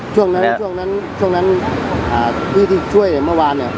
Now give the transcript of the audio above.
ช่วงนั้นที่ที่ช่วยเมื่อวาน